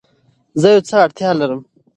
زه يو څه ته اړتيا لرم